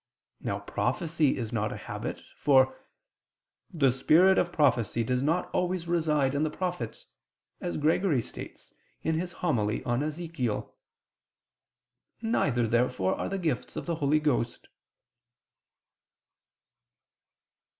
Now prophecy is not a habit: for "the spirit of prophecy does not always reside in the prophets," as Gregory states (Hom. i in Ezechiel). Neither, therefore, are the gifts of the Holy Ghost.